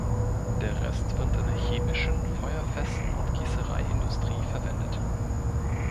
Der Rest wird in der chemischen, feuerfesten und Gießereiindustrie verwendet.